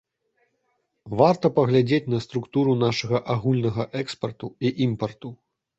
Варта паглядзець на структуру нашага агульнага экспарту і імпарту.